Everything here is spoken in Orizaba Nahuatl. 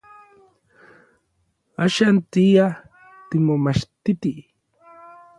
Axan tia timomachtiti.